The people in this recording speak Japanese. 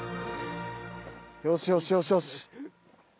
よしよしよしよし！